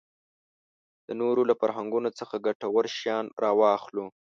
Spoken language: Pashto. د نورو له فرهنګونو څخه ګټور شیان راواخلو.